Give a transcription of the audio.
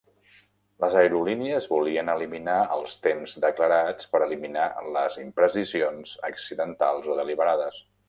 Les aerolínies volien eliminar els temps declarats per eliminar les imprecisions, accidentals o deliberades.